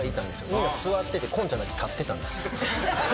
みんな座ってて今ちゃんだけ立ってたんですよ。